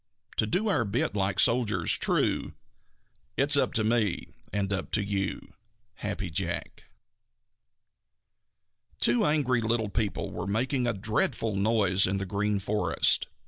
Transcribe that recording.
To do our bit like soldiers true It's up to me and up to you. Happy Jack. Two angry little people were making a dreadful noise in the Green Forest.